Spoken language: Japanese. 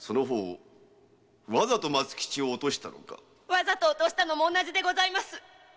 〔わざと落としたのも同じでございます。